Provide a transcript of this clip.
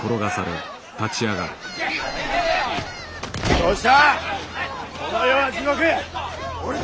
どうした！